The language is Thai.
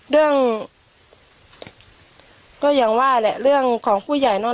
เรื่องก็อย่างว่าแหละเรื่องของผู้ใหญ่เนอะ